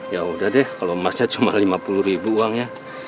yaudah deh kalo masnya cuma lima puluh ribu uangnya